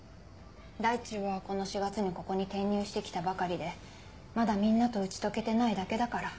大地はこの４月にここに転入して来たばかりでまだみんなと打ち解けてないだけだから。